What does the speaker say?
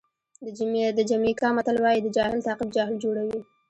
د جمیکا متل وایي د جاهل تعقیب جاهل جوړوي.